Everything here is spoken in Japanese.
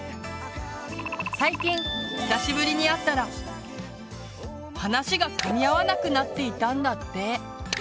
最近久しぶりに会ったら話がかみ合わなくなっていたんだって。